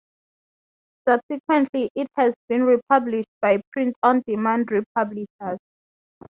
Subsequently, it has been republished by print-on-demand re-publishers.